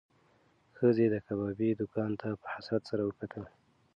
ښځې د کبابي دوکان ته په حسرت سره وکتل.